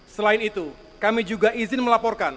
selain itu kami juga izin melaporkan